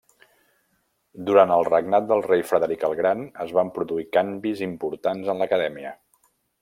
Durant el regnat del rei Frederic el Gran, es van produir canvis importants en l'acadèmia.